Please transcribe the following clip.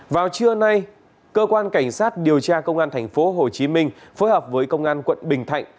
vào trưa nay cơ quan cảnh sát điều tra công an tp hcm phối hợp với công an quận bình thạnh